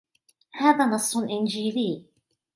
هذا نص إنجيلي.